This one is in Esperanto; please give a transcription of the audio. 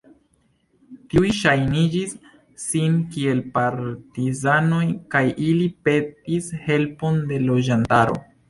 Tiuj ŝajnigis sin kiel partizanoj kaj ili petis helpon de loĝantaro.